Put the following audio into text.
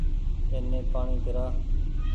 اني پآڻيٚ پيرآ